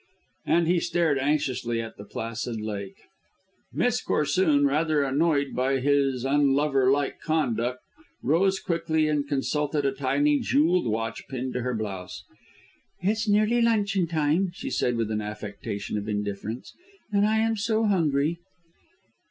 And he stared anxiously at the placid lake. Miss Corsoon, rather annoyed by this unlover like conduct, rose quickly and consulted a tiny jewelled watch pinned to her blouse. "It's nearly luncheon time," she said with an affectation of indifference, "and I am so hungry."